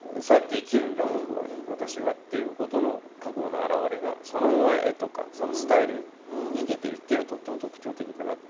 僕は私はっていうことの覚悟の表れがそのまま絵とかスタイルに出てるっていうのがとっても特徴的だなって。